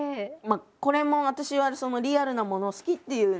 これも私はリアルなものを好きっていう。